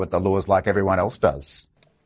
dan mereka harus mematuhi peraturan seperti semua orang lain